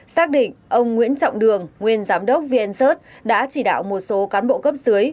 xác định ông nguyễn trọng đường nguyên giám đốc vncert đã chỉ đạo một số cán bộ cấp dưới